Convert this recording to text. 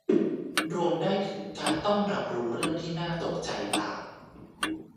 รวมได้ถึงการต้องรับรู้เรื่องที่น่าตกใจต่าง